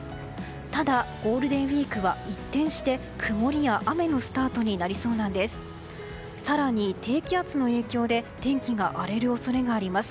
ただ、ゴールデンウィークは一転して曇りや雨のスタートになりそうなんです。